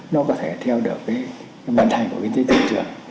nó có thể theo được cái vận hành của kinh tế thị trường